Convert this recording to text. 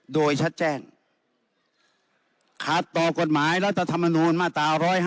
โดยชัดแจ้งขาดต่อกฎหมายรัฐธรรมนูลมาตรา๑๕